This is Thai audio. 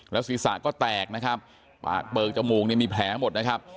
แล้วศีรษะก็แตกนะครับปากเบิกจมูกมีแผลมันหมดนะครับ